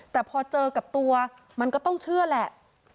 แต่พอเจอกับตัวมันก็ต้องเชื่อแหละ